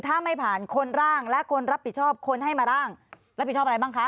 ถ้าไม่ผ่านคนร่างและคนรับผิดชอบคนให้มาร่างรับผิดชอบอะไรบ้างคะ